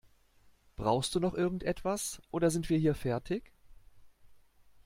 Brauchst du noch irgendetwas oder sind wir hier fertig?